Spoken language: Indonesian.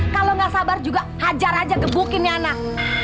kalau nggak sabar juga hajar aja gebukin ya anak